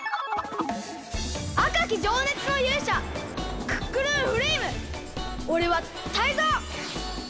あかきじょうねつのゆうしゃクックルンフレイムおれはタイゾウ！